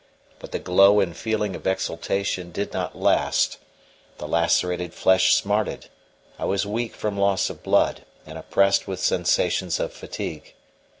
But the glow and feeling of exultation did not last: the lacerated flesh smarted; I was weak from loss of blood, and oppressed with sensations of fatigue.